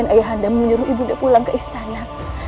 dan ayah nda menyeru ibu nda pulang ke istana